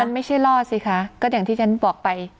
มันไม่ใช่รอดสิคะก็อย่างที่ฉันบอกไป